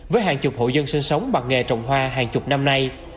với hàng chục hộ dân sinh sống bằng nghề trồng hoa hàng chục năm nay